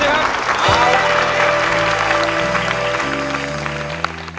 ใช้นะครับ